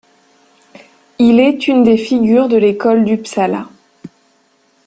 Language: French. Il est une des figures de l'école d'Uppsala.